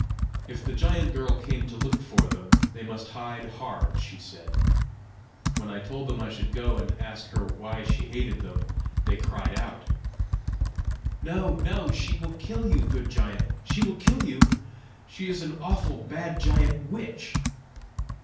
If the giant girl came to look for them, they must hide hard, she said. When I told them I should go and ask her why she hated them, they cried out, "No, no! she will kill you, good giant; she will kill you! She is an awful bad giant witch!"